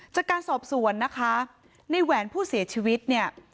จากการสอบสวนนะคะในแหวนผู้เสียชีวิตเนี่ย